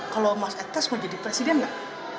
kalau mas eta mau jadi presiden gak